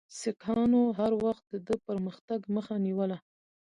سیکهانو هر وخت د ده د پرمختګ مخه نیوله.